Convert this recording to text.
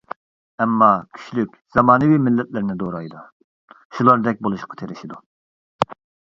ئەمما، كۈچلۈك، زامانىۋى مىللەتلەرنى دورايدۇ، شۇلاردەك بولۇشقا تىرىشىدۇ.